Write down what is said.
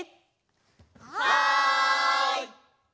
はい！